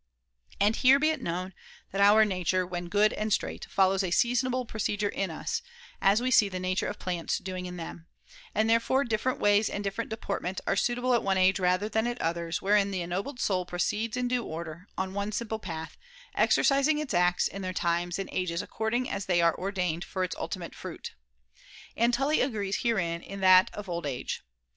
And here, be it 350 THE CONVIVIO Ch. Of virtues known, that our nature, when good and straight, in season follows a seasonable procedure in us (as we see the nature of plants doing in them), and there fore different ways and different deportment are suitable at one age rather than at others, wherein the ennobled soul proceeds in due order, on one simple path, exercising its acts in their times and ages according as they are ordained for its ultimate fruit. And Tully agrees herein in that Of Old Age.